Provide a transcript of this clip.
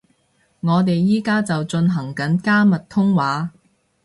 我哋而家就進行緊加密通話